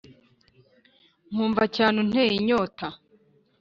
nkumva cyane unteye inyota